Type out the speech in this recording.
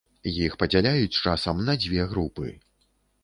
Іх падзяляюць часам на дзве групы.